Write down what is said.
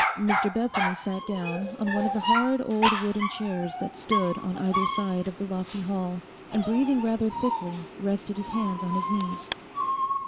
Mr Bethany sat down on one of the hard old wooden chairs that stood on either side of the lofty hall, and breathing rather thickly, rested his hands on his knees.